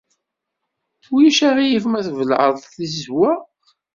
Ulac aɣilif ma tbellɛeḍ tizewwa?